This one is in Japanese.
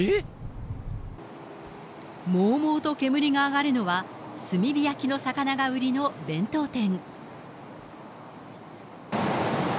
もうもうと煙が上がるのは、炭火焼きの魚が売りの弁当店。